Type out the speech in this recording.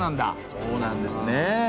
そうなんですね。